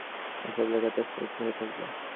এই সব লেখা তার স্মৃতি হয়ে থাকবে।